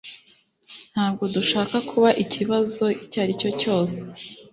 Ntabwo dushaka kuba ikibazo icyo ari cyo cyose